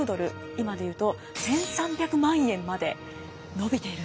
今で言うと１，３００万円まで伸びているんです。